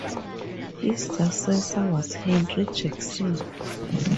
His successor was Henry Jackson.